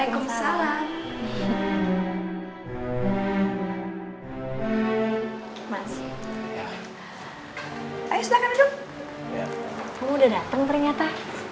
kamu udah datang ternyata